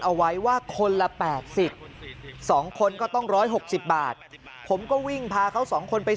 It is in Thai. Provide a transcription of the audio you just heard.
เอาไว้ว่าคนละ๘๐๒คนก็ต้อง๑๖๐บาทผมก็วิ่งพาเขา๒คนไป